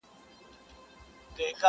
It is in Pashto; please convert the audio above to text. ښایسته د پاچا لور وم پر طالب مینه سومه؛